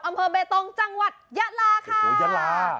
อำเภอเบตรงจังหวัดยะลาค่ะโอ้ยยะลา